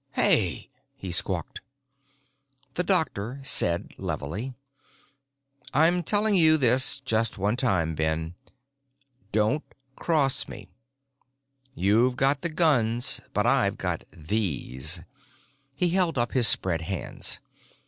"Hey!" he squawked. The doctor said levelly, "I'm telling you this just one time, Ben. Don't cross me. You've got the guns, but I've got these." He held up his spread hands.